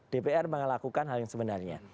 dpr melakukan hal yang sebenarnya